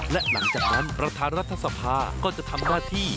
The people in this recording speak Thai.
และหลังจากนั้นประธานรัฐสภาก็จะทำหน้าที่